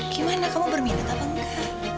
gimana kamu berminat apa enggak